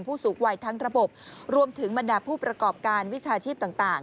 ผู้สูงวัยทั้งระบบรวมถึงบรรดาผู้ประกอบการวิชาชีพต่าง